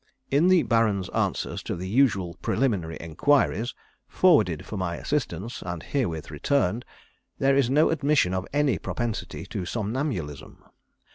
In the Baron's answers to the usual preliminary enquiries, forwarded for my assistance, and herewith returned, there is no admission of any propensity to somnambulism.